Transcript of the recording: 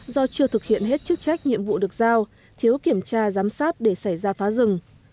do chưa thực hiện hết chức trách nhiệm vụ được giao thiếu kiểm tra giám sát để xảy ra phá rừng